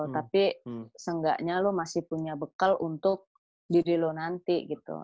tapi seenggaknya lo masih punya bekal untuk diri lo nanti gitu